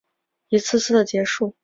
一次次的结束